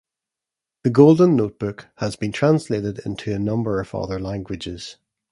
"The Golden Notebook" has been translated into a number of other languages.